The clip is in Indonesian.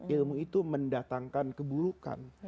ilmu itu mendatangkan keburukan